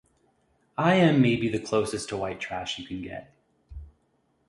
I am maybe the closest to white trash you can get.